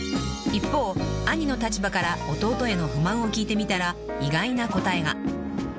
［一方兄の立場から弟への不満を聞いてみたら意外な答えが］